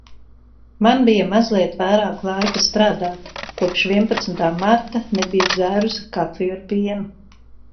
Man bija mazliet vairāk laika strādāt. Kopš vienpadsmitā marta nebiju dzērusi kafiju ar pienu.